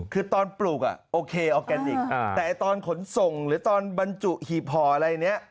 คือตอนปลูกโอเคออร์แกนิคแต่ตอนขนส่งหรือตอนบรรจุหีบห่ออะไรเนี่ย